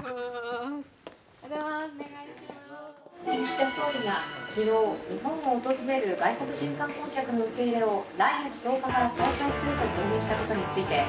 「岸田総理が昨日日本を訪れる外国人観光客の受け入れを来月１０日から再開すると表明したことについて」。